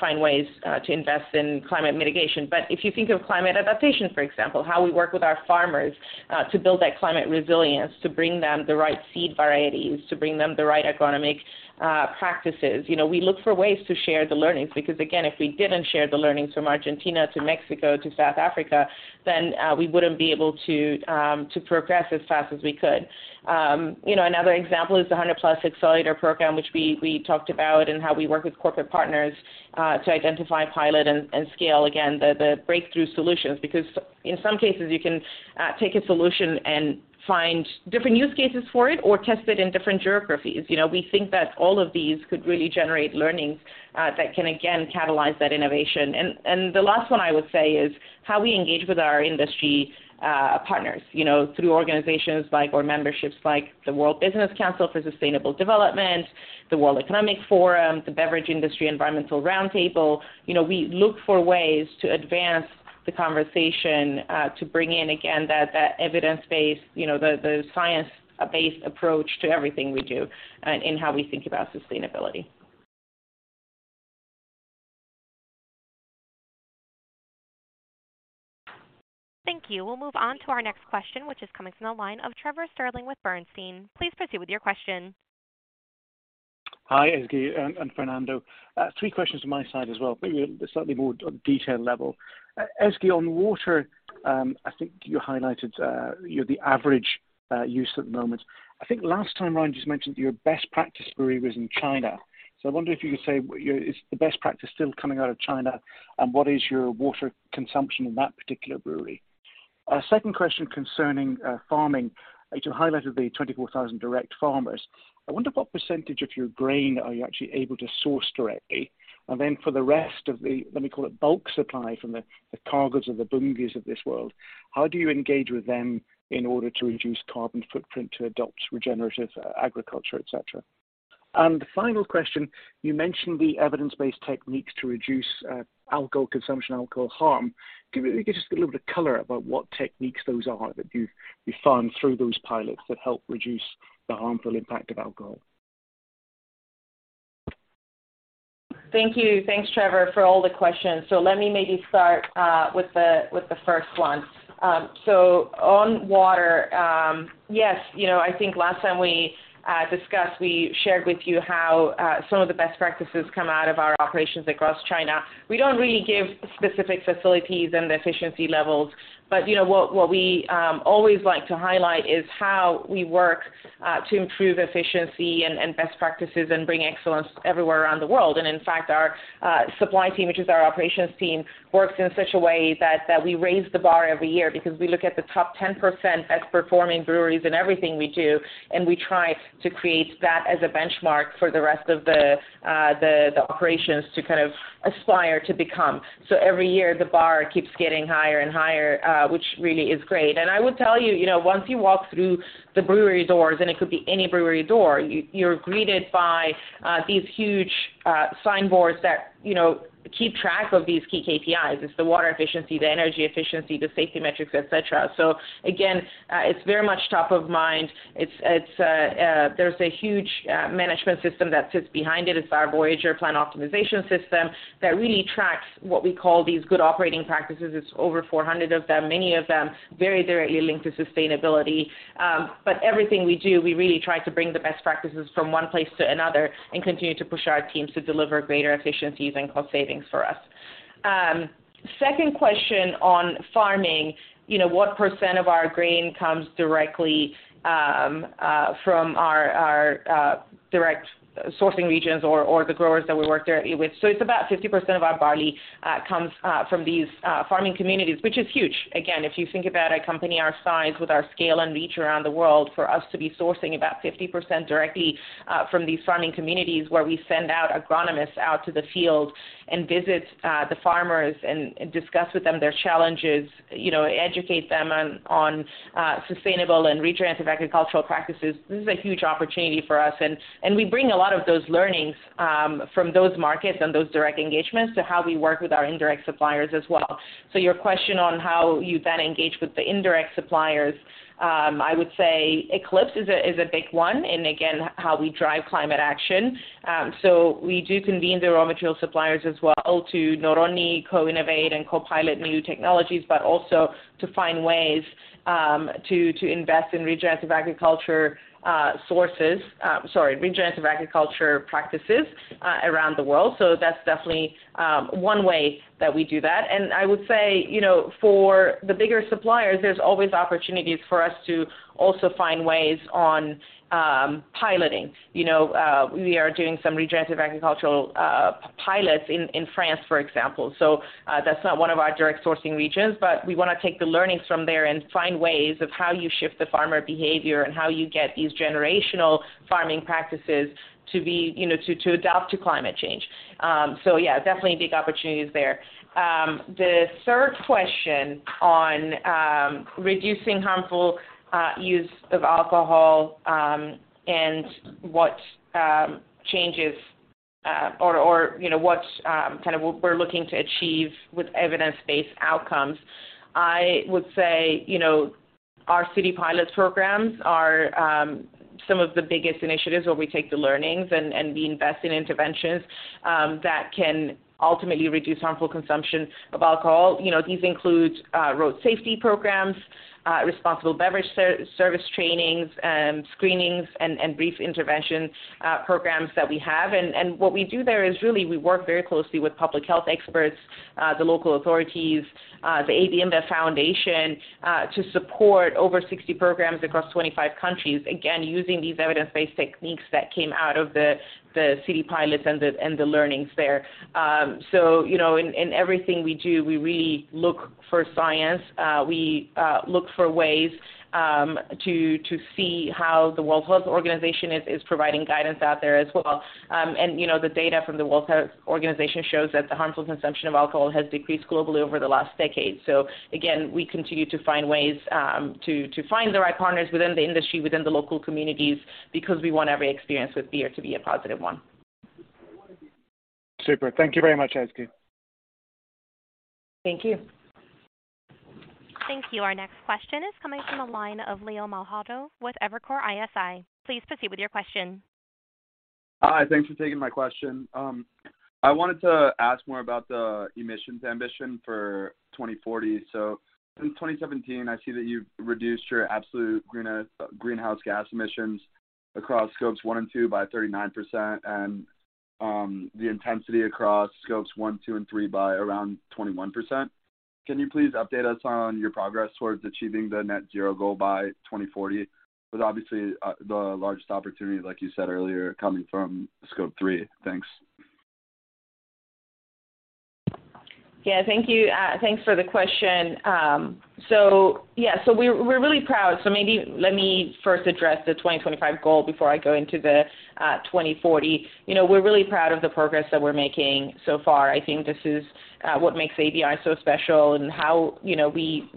find ways, to invest in climate mitigation. If you think of climate adaptation, for example, how we work with our farmers, to build that climate resilience, to bring them the right seed varieties, to bring them the right economic, practices. You know, we look for ways to share the learnings because, again, if we didn't share the learnings from Argentina to Mexico to South Africa, then, we wouldn't be able to progress as fast as we could. You know, another example is the 100+ Accelerator program, which we talked about, and how we work with corporate partners, to identify, pilot, and scale again the breakthrough solutions. Because in some cases, you can take a solution and find different use cases for it or test it in different geographies. You know, we think that all of these could really generate learnings that can again catalyze that innovation. The last one I would say is how we engage with our industry partners through organizations like or memberships like the World Business Council for Sustainable Development, the World Economic Forum, the Beverage Industry Environmental Roundtable. You know, we look for ways to advance the conversation to bring in again that evidence-based the science-based approach to everything we do and in how we think about sustainability. Thank you. We'll move on to our next question, which is coming from the line of Trevor Stirling with Bernstein. Please proceed with your question. Hi, Ezgi and Fernando. Three questions from my side as well, maybe a slightly more detailed level. Ezgi, on water, I think you highlighted the average use at the moment. I think last time Ron just mentioned your best practice brewery was in China. I wonder if you could say is the best practice still coming out of China? What is your water consumption in that particular brewery? Second question concerning farming. You highlighted the 24,000 direct farmers. I wonder what percentage of your grain are you actually able to source directly. Then for the rest of the, let me call it bulk supply from the Cargill or the Bunge's of this world, how do you engage with them in order to reduce carbon footprint to adopt regenerative agriculture, et cetera? The final question, you mentioned the evidence-based techniques to reduce alcohol consumption, alcohol harm. Can you give us a little bit of color about what techniques those are that you found through those pilots that help reduce the harmful impact of alcohol? Thank you. Thanks, Trevor, for all the questions. Let me maybe start with the first one. On water, yes I think last time we discussed, we shared with you how some of the best practices come out of our operations across China. We don't really give specific facilities and efficiency levels, but you know, what we always like to highlight is how we work to improve efficiency and best practices and bring excellence everywhere around the world. In fact, our supply team, which is our operations team, works in such a way that we raise the bar every year because we look at the top 10% best-performing breweries in everything we do, and we try to create that as a benchmark for the rest of the operations to kind of aspire to become. Every year, the bar keeps getting higher and higher, which really is great. I will tell you know, once you walk through the brewery doors, and it could be any brewery door, you're greeted by these huge signboards that keep track of these key KPIs. It's the water efficiency, the energy efficiency, the safety metrics, et cetera. Again, it's very much top of mind. It's, it's. There's a huge management system that sits behind it. It's our Voyager Plant Optimization system that really tracks what we call these good operating practices. It's over 400 of them, many of them very directly linked to sustainability. Everything we do, we really try to bring the best practices from one place to another and continue to push our teams to deliver greater efficiencies and cost savings for us. Second question on farming what percent of our grain comes directly from our direct sourcing regions or the growers that we work there with. It's about 50% of our barley comes from these farming communities, which is huge. Again, if you think about a company our size with our scale and reach around the world, for us to be sourcing about 50% directly from these farming communities where we send out agronomists out to the field and visit the farmers and discuss with them their challenges educate them on sustainable and regenerative agricultural practices, this is a huge opportunity for us. We bring a lot of those learnings from those markets and those direct engagements to how we work with our indirect suppliers as well. Your question on how you then engage with the indirect suppliers, I would say Eclipse is a big one, and again, how we drive climate action. We do convene the raw material suppliers as well to not only co-innovate and co-pilot new technologies, but also to find ways to invest in regenerative agriculture practices around the world. That's definitely one way that we do that. I would say for the bigger suppliers, there's always opportunities for us to also find ways on piloting. You know, we are doing some regenerative agricultural pilots in France, for example. That's not one of our direct sourcing regions, but we wanna take the learnings from there and find ways of how you shift the farmer behavior and how you get these generational farming practices to be to adapt to climate change. Yeah, definitely big opportunities there. The third question on reducing harmful use of alcohol, and what changes, or you know, what we're looking to achieve with evidence-based outcomes. I would say our city pilot programs are some of the biggest initiatives where we take the learnings and we invest in interventions that can ultimately reduce harmful consumption of alcohol. You know, these include road safety programs, responsible beverage service trainings, screenings and brief intervention programs that we have. What we do there is we work very closely with public health experts, the local authorities, the AB InBev Foundation, to support over 60 programs across 25 countries, using these evidence-based techniques that came out of the city pilots and the learnings there. You know, in everything we do, we really look for science. We look for ways to see how the World Health Organization is providing guidance out there as well. You know, the data from the World Health Organization shows that the harmful consumption of alcohol has decreased globally over the last decade. Again, we continue to find ways to find the right partners within the industry, within the local communities, because we want every experience with beer to be a positive one. Super. Thank you very much, Ezgi. Thank you. Thank you. Our next question is coming from the line of Leo Machado with Evercore ISI. Please proceed with your question. Hi. Thanks for taking my question. I wanted to ask more about the emissions ambition for 2040. In 2017, I see that you've reduced your absolute greenhouse gas emissions across Scope 1 and 2 by 39% and the intensity across Scope 1, 2, and 3 by around 21%. Can you please update us on your progress towards achieving the net zero goal by 2040? With obviously, the largest opportunity, like you said earlier, coming from Scope 3. Thanks. Yeah, thank you. Thanks for the question. Yeah, we're really proud. Maybe let me first address the 2025 goal before I go into the 2040. You know, we're really proud of the progress that we're making so far. I think this is what makes ABI so special and how we,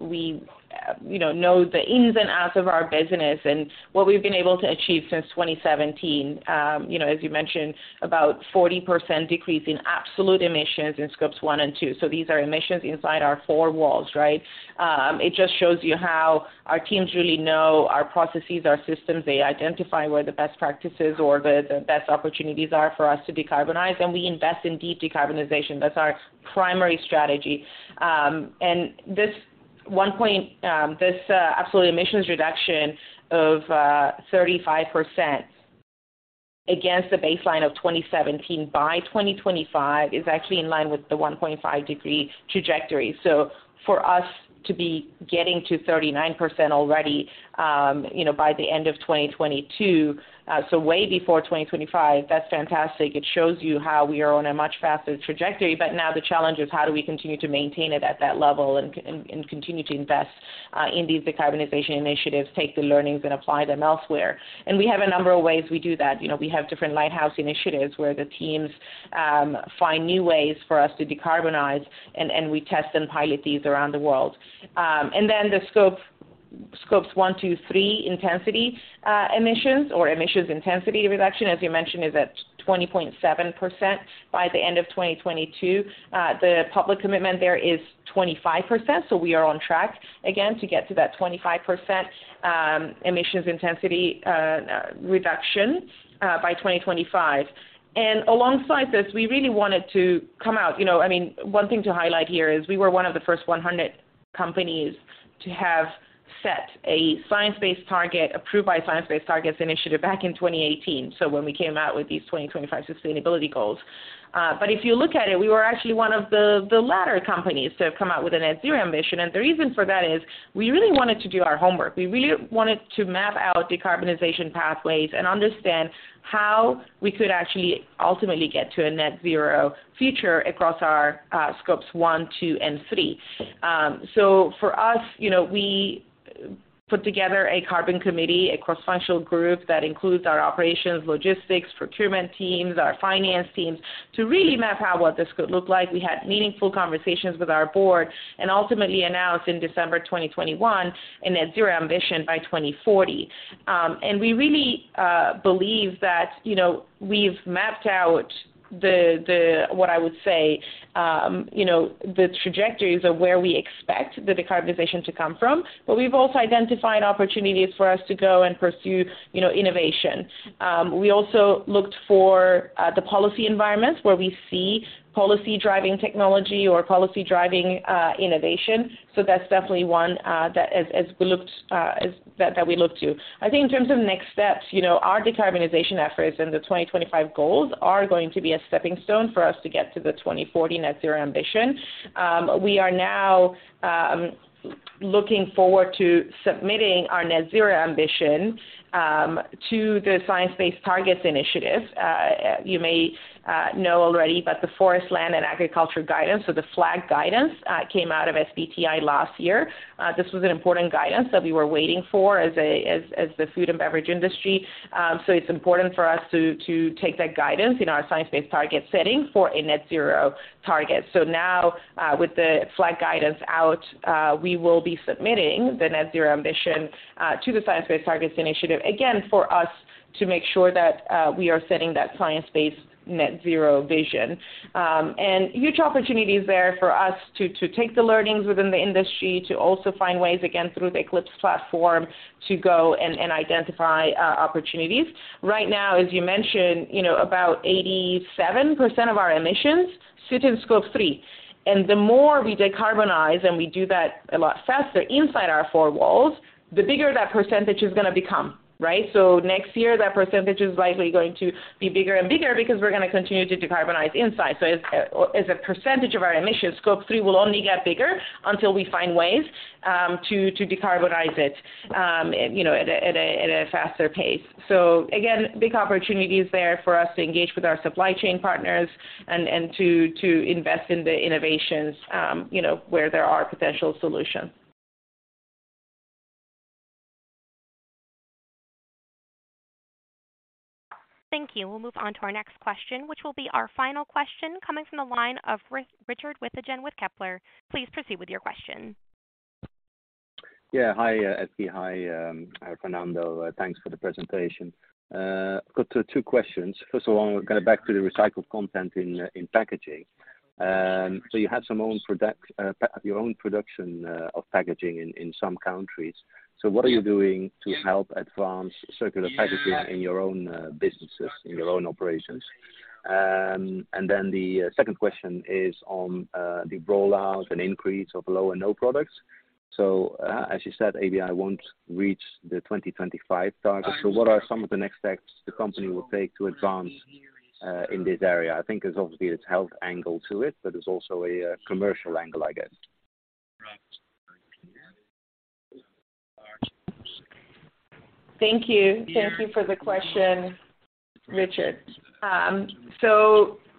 you know the ins and outs of our business and what we've been able to achieve since 2017. You know, as you mentioned, about 40% decrease in absolute emissions in Scope 1 and Scope 2. These are emissions inside our four walls, right? It just shows you how our teams really know our processes, our systems. They identify where the best practices or the best opportunities are for us to decarbonize, and we invest in deep decarbonization. That's our primary strategy. This one point, this absolute emissions reduction of 35% against the baseline of 2017 by 2025 is actually in line with the 1.5 degree trajectory. For us to be getting to 39% already by the end of 2022, way before 2025, that's fantastic. It shows you how we are on a much faster trajectory. Now the challenge is how do we continue to maintain it at that level and continue to invest in these decarbonization initiatives, take the learnings and apply them elsewhere. We have a number of ways we do that. You know, we have different lighthouse initiatives where the teams find new ways for us to decarbonize and we test and pilot these around the world. The scope, scopes one, two, three intensity, emissions or emissions intensity reduction, as you mentioned, is at 20.7% by the end of 2022. The public commitment there is 25%, so we are on track again to get to that 25% emissions intensity reduction by 2025. We really wanted to come out. You know, I mean, one thing to highlight here is we were one of the first 100 companies to have set a science-based target approved by Science Based Targets initiative back in 2018. When we came out with these 2025 sustainability goals. If you look at it, we were actually one of the latter companies to have come out with a net zero emission. The reason for that is we really wanted to do our homework. We really wanted to map out decarbonization pathways and understand how we could actually ultimately get to a net zero future across our Scope 1, Scope 2, and Scope 3. For us we put together a carbon committee, a cross-functional group that includes our operations, logistics, procurement teams, our finance teams, to really map out what this could look like. We had meaningful conversations with our board and ultimately announced in December 2021 a net zero ambition by 2040. We really believe that we've mapped out the what I would say the trajectories of where we expect the decarbonization to come from, but we've also identified opportunities for us to go and pursue innovation. We also looked for the policy environments where we see policy driving technology or policy driving innovation. That's definitely one that we look to. I think in terms of next steps our decarbonization efforts and the 2025 goals are going to be a stepping stone for us to get to the 2040 net zero ambition. We are now looking forward to submitting our net zero ambition to the Science Based Targets initiative. You may know already, the Forest Land and Agriculture guidance, so the FLAG guidance, came out of SBTi last year. This was an important guidance that we were waiting for as the food and beverage industry. It's important for us to take that guidance in our science-based target setting for a net zero target. Now, with the FLAG guidance out, we will be submitting the net zero ambition to the Science Based Targets initiative, again, for us to make sure that we are setting that science-based net zero vision. Huge opportunities there for us to take the learnings within the industry to also find ways, again, through the Eclipse platform, to go and identify opportunities. Right now, as you mentioned about 87% of our emissions sit in Scope 3. The more we decarbonize, and we do that a lot faster inside our four walls, the bigger that percentage is gonna become, right? Next year, that % is likely going to be bigger and bigger because we're gonna continue to decarbonize inside. As a % of our emissions, Scope 3 will only get bigger until we find ways to decarbonize it at a faster pace. Again, big opportunities there for us to engage with our supply chain partners and to invest in the innovations where there are potential solutions. Thank you. We'll move on to our next question, which will be our final question coming from the line of Richard Withagen with Kepler. Please proceed with your question. Yeah. Hi, Ezgi. Hi, Fernando. Thanks for the presentation. Got two questions. First of all, kind of back to the recycled content in packaging. You have some own product, your own production of packaging in some countries. What are you doing to help advance circular packaging in your own businesses, in your own operations? The second question is on the rollout and increase of low and no products. As you said, ABI won't reach the 2025 target. What are some of the next steps the company will take to advance in this area? I think there's obviously a health angle to it, but there's also a commercial angle, I guess. Thank you. Thank you for the question, Richard.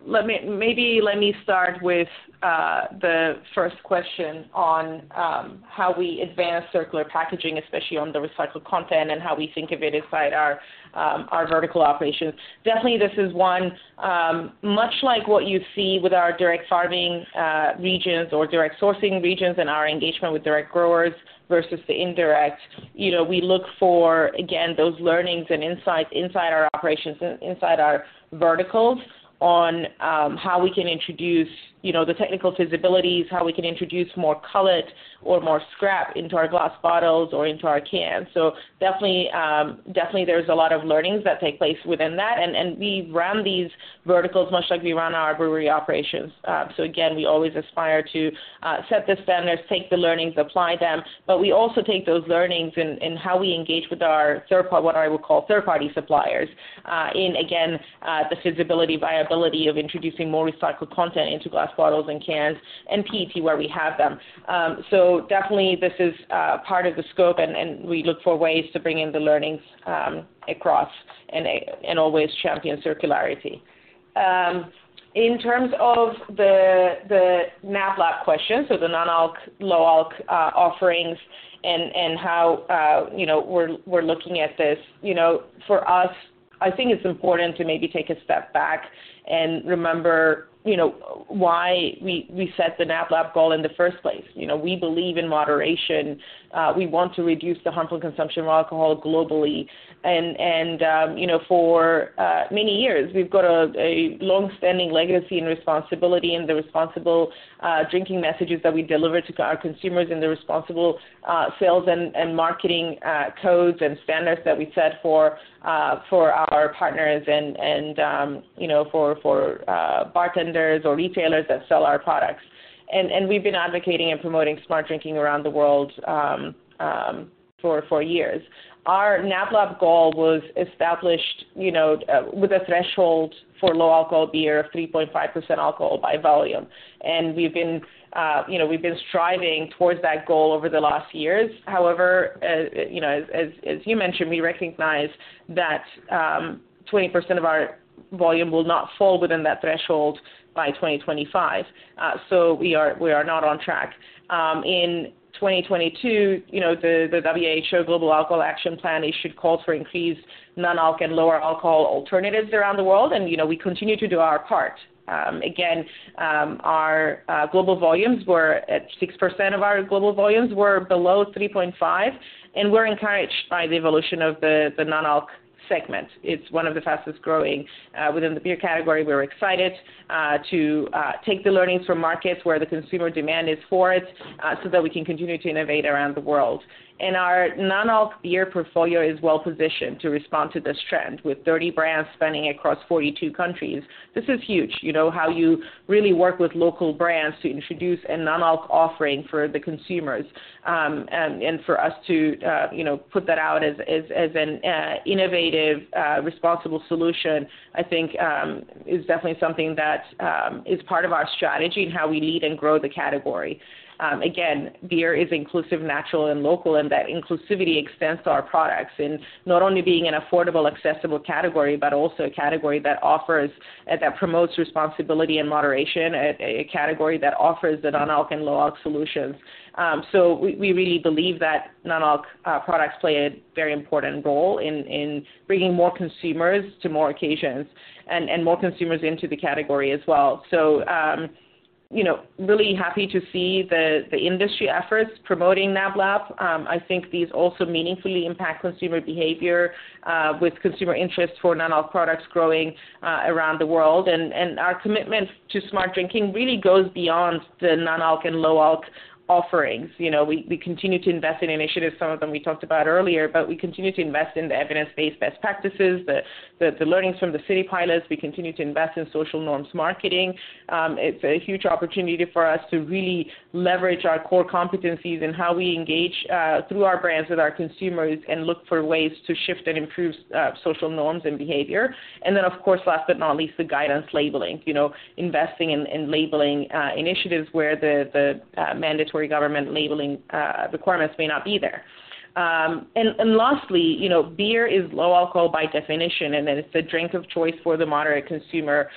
Let me start with the first question on how we advance circular packaging, especially on the recycled content and how we think of it inside our vertical operations. Definitely, this is one, much like what you see with our direct farming, regions or direct sourcing regions and our engagement with direct growers versus the indirect. You know, we look for, again, those learnings and insights inside our operations, inside our verticals on how we can introduce the technical feasibilities, how we can introduce more cullet or more scrap into our glass bottles or into our cans. Definitely, definitely there's a lot of learnings that take place within that. We run these verticals much like we run our brewery operations. Again, we always aspire to set the standards, take the learnings, apply them, but we also take those learnings in how we engage with our what I would call third-party suppliers, in again, the feasibility, viability of introducing more recycled content into glass bottles and cans and PET where we have them. Definitely this is part of the scope, and we look for ways to bring in the learnings across and always champion circularity. In terms of the NoLo question, so the non-alc, low-alc offerings and how we're looking at this. You know, for us, I think it's important to maybe take a step back and remember why we set the NoLo goal in the first place. You know, we believe in moderation. We want to reduce the harmful consumption of alcohol globally. You know, for many years, we've got a long-standing legacy and responsibility in the responsible drinking messages that we deliver to our consumers and the responsible sales and marketing codes and standards that we set for our partners and for bartenders or retailers that sell our products. We've been advocating and promoting smart drinking around the world for years. Our NABLAB goal was established with a threshold for low alcohol beer of 3.5% alcohol by volume. We've been we've been striving towards that goal over the last years. however as you mentioned, we recognize that 20% of our volume will not fall within that threshold by 2025. We are not on track. In 2022 the WHO Global Alcohol Action Plan issued calls for increased non-alc and lower alcohol alternatives around the world. You know, we continue to do our part. Again, 6% of our global volumes were below 3.5, and we're encouraged by the evolution of the non-alc segment. It's one of the fastest growing within the beer category. We're excited to take the learnings from markets where the consumer demand is for it. That we can continue to innovate around the world. Our non-alc beer portfolio is well positioned to respond to this trend, with 30 brands spanning across 42 countries. This is huge. You know how you really work with local brands to introduce a non-alc offering for the consumers. For us to put that out as an innovative, responsible solution, I think, is definitely something that is part of our strategy and how we lead and grow the category. Again, beer is inclusive, natural, and local, and that inclusivity extends to our products in not only being an affordable, accessible category, but also a category that offers and that promotes responsibility and moderation, a category that offers the non-alc and low-alc solutions. We, we really believe that non-alc products play a very important role in bringing more consumers to more occasions and more consumers into the category as well. You know, really happy to see the industry efforts promoting NABLAB. I think these also meaningfully impact consumer behavior with consumer interest for non-alc products growing around the world. Our commitment to Smart Drinking really goes beyond the non-alc and low-alc offerings. You know, we continue to invest in initiatives, some of them we talked about earlier, we continue to invest in the evidence-based best practices, the learnings from the city pilots. We continue to invest in social norms marketing. It's a huge opportunity for us to really leverage our core competencies in how we engage through our brands with our consumers and look for ways to shift and improve social norms and behavior. Then, of course, last but not least, the guidance labeling. You know, investing in labeling initiatives where the mandatory government labeling requirements may not be there. lastly beer is low alcohol by definition, and it's the drink of choice for the moderate consumer,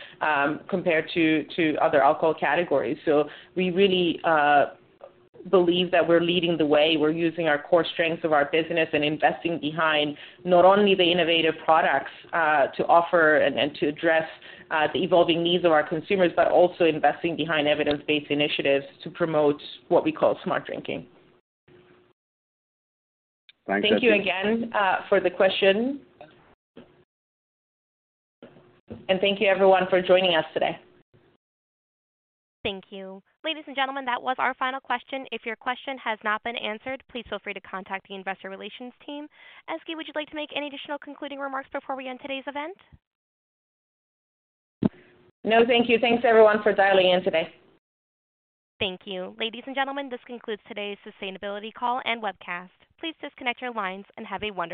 compared to other alcohol categories. We really believe that we're leading the way. We're using our core strengths of our business and investing behind not only the innovative products, to offer and to address, the evolving needs of our consumers, but also investing behind evidence-based initiatives to promote what we call smart drinking. Thank you again, for the question. Thank you everyone for joining us today. Thank you. Ladies and gentlemen, that was our final question. If your question has not been answered, please feel free to contact the investor relations team. Ezgi, would you like to make any additional concluding remarks before we end today's event? No, thank you. Thanks, everyone, for dialing in today. Thank you. Ladies and gentlemen, this concludes today's sustainability call and webcast. Please disconnect your lines and have a wonderful day.